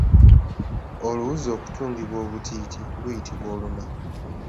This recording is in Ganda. Oluwuzi okutungibwa obutiiti luyitibwa Oluna.